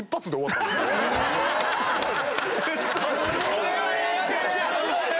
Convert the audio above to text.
これはやってる！